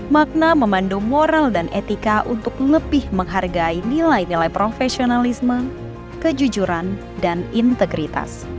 makna memandu moral dan etika untuk lebih menghargai nilai nilai profesionalisme kejujuran dan integritas